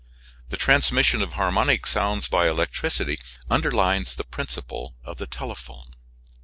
The transmission of harmonic sounds by electricity underlies the principle of the telephone.